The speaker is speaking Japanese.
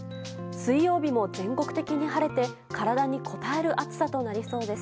水曜日も全国的に晴れて体にこたえる暑さとなりそうです。